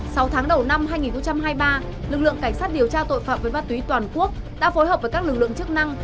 sau tháng đầu năm hai nghìn hai mươi ba lực lượng cảnh sát điều tra tội phạm về ma túy toàn quốc đã phối hợp với các lực lượng chức năng